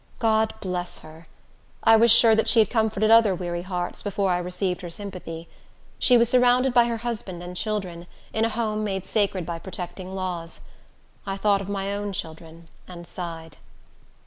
God bless her! I was sure that she had comforted other weary hearts, before I received her sympathy. She was surrounded by her husband and children, in a home made sacred by protecting laws. I thought of my own children, and sighed.